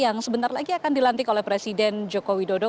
yang sebentar lagi akan dilantik oleh presiden joko widodo